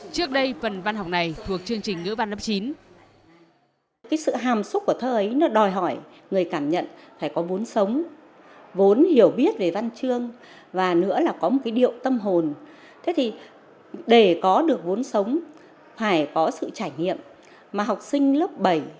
trước đây phần văn học này thuộc chương trình ngữ văn lớp chín